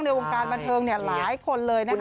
ในวงการบันเทิงหลายคนเลยนะคะ